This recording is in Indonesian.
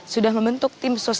sudah membentuk tim sus